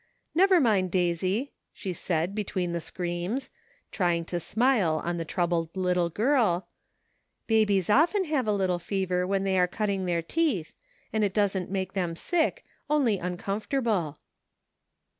" Never mind, Daisy," she said, between the screams, trying to smile on the troubled little girl, "babies often have a little fever when they are cutting their teeth, and it doesn't make them sick, only uncomfortable."